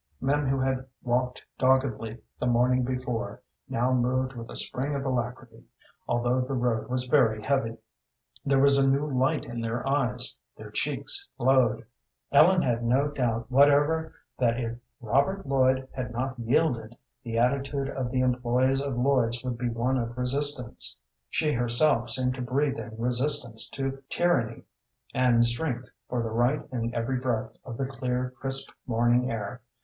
Men who had walked doggedly the morning before now moved with a spring of alacrity, although the road was very heavy. There was a new light in their eyes; their cheeks glowed. Ellen had no doubt whatever that if Robert Lloyd had not yielded the attitude of the employés of Lloyd's would be one of resistance. She herself seemed to breathe in resistance to tyranny, and strength for the right in every breath of the clear, crisp morning air.